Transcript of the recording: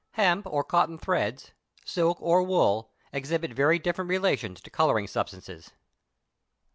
Hemp or cotton threads, silk or wool, exhibit very different relations to colouring substances.